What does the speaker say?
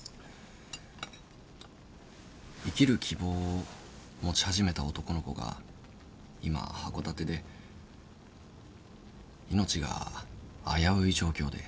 生きる希望を持ち始めた男の子が今函館で命が危うい状況で。